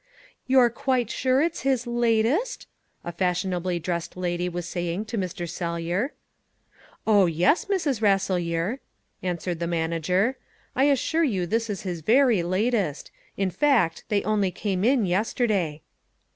"You're quite sure it's his LATEST?" a fashionably dressed lady was saying to Mr. Sellyer. "Oh, yes, Mrs. Rasselyer," answered the manager. "I assure you this is his very latest. In fact, they only came in yesterday."